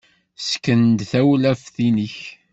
Ssken-d tawlaft-nnek.